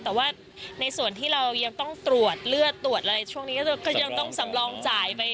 แต่ว่าในส่วนที่เรายังต้องตรวจเลือดตรวจอะไรช่วงนี้ก็ยังต้องสำรองจ่ายไป